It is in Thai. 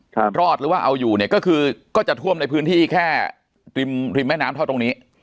ตลอดหรือว่าเอาอยู่ก็จะท่วมในพื้นที่แค่ริมแม่น้ำเท่าตรงนี้